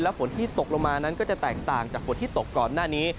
ฝนที่ตกลงมานั้นก็จะแตกต่างจากฝนที่ตกก่อนหน้านี้